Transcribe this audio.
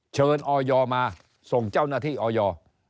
เชิญออโยมาส่งเจ้าหน้าที่ออโย